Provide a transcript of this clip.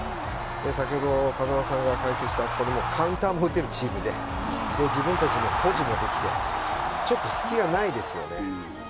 先ほど風間さんが解説したカウンターも打てるチームで自分たちの保持もできてちょっと隙がないですよね。